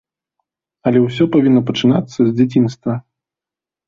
Але ўсё павінна пачынацца з дзяцінства.